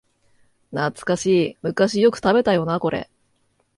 懐かしい、昔よく食べたよなこれ